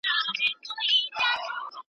اصطلاحي تعريف ئې جُرجاني داسي کړی دی.